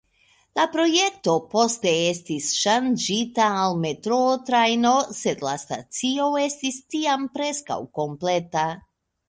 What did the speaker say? La projekto poste estis ŝanĝita al metroo-trajnoj, sed la stacio estis tiam preskaŭ kompleta.